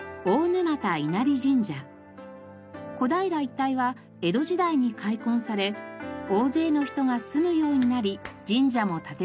小平一帯は江戸時代に開墾され大勢の人が住むようになり神社も建てられました。